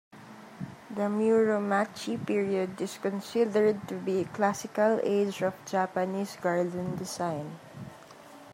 The Muromachi period is considered to be a classical age of Japanese garden design.